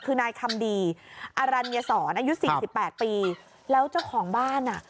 คือนายคำดีอรัญญศรอายุสี่สิบแปดปีแล้วเจ้าของบ้านอ่ะ